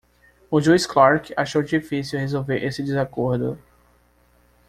O juiz Clark achou difícil resolver esse desacordo.